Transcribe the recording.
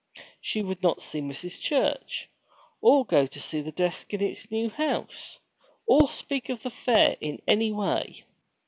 She would not see Mrs. Church, or go to see the desk in its new house, or speak of the fair in any way.